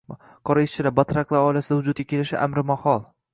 qora ishchilar — «batrak»lar oilasida vujudga kelishi — amri mahol.